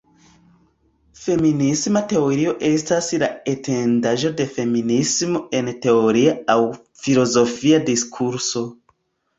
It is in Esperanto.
Feminisma teorio estas la etendaĵo de feminismo en teoria aŭ filozofia diskurso.